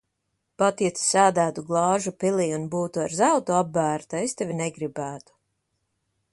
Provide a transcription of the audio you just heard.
Pat ja Tu sēdētu glāžu pilī un būtu ar zeltu apbērta, es tevi negribētu.